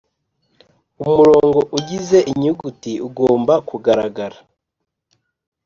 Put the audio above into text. Umurongo ugize inyuguti ugomba kugaragara